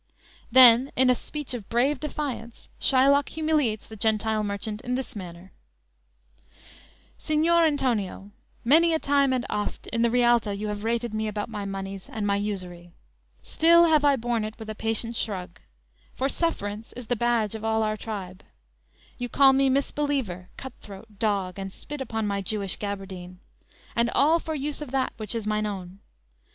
"_ Then in a speech of brave defiance, Shylock humiliates the Gentile merchant in this manner: _"Signior Antonio, many a time and oft In the Rialto you have rated me About my monies, and my usury; Still have I borne it with a patient shrug; For sufferance is the badge of all our tribe; You call me misbeliever, cut throat, dog, And spit upon my Jewish gaberdine, And all for use of that which is mine own.